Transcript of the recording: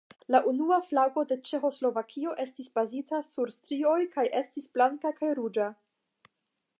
La unua flago de Ĉeĥoslovakio estis bazita sur strioj, kaj estis blanka sur ruĝa.